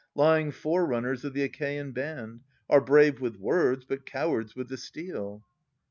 Lying forerunners of the Achaean band, Are brave with words, but cowards with the steel.